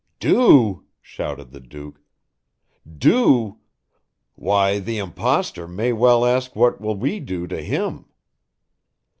"Do," shouted the Duke. "Do why the impostor may well ask what will we do to him."